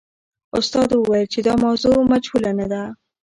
استاد وویل چې دا موضوع مجهوله نه ده.